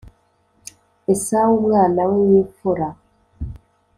Esawu umwana we w imfura